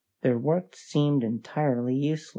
Their work seemed entirely useless.